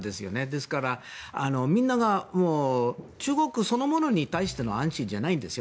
ですから、みんなが中国そのものに対しての安心じゃないんですよ。